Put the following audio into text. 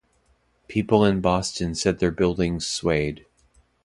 People in Boston said their buildings swayed.